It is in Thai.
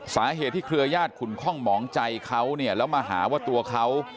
สาเหตุที่เครือญาติขุนคล่องหมองใจเขาเนี่ยแล้วมาหาว่าตัวเขา